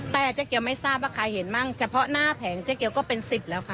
แต่เจ๊เกียวไม่ทราบว่าใครเห็นมั่งเฉพาะหน้าแผงเจ๊เกียวก็เป็น๑๐แล้วค่ะ